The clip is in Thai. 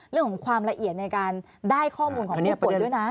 เรื่องของความละเอียดในการได้ข้อมูลของผู้ป่วยด้วยนะ